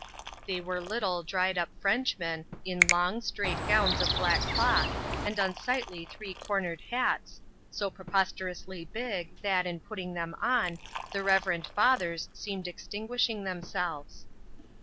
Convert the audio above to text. They were little, dried up Frenchmen, in long, straight gowns of black cloth, and unsightly three cornered hats, so prepos terously big, that, in putting them on, the reverend fathers seemed extinguishing themselves.